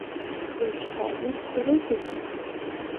Уажәшьҭа исҳәарызеи?